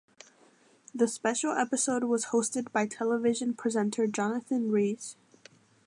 The special episode was hosted by television presenter Jonathan Ruiz.